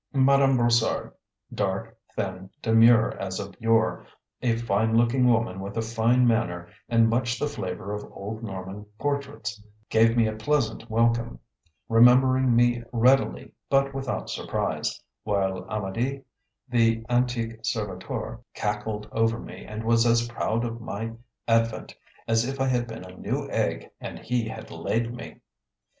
Madame Brossard (dark, thin, demure as of yore, a fine looking woman with a fine manner and much the flavour of old Norman portraits) gave me a pleasant welcome, remembering me readily but without surprise, while Amedee, the antique servitor, cackled over me and was as proud of my advent as if I had been a new egg and he had laid me.